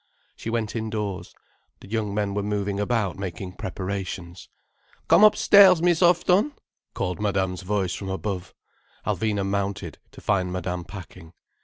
She went indoors. The young men were moving about making preparations. "Come upstairs, Miss Houghton!" called Madame's voice from above. Alvina mounted, to find Madame packing.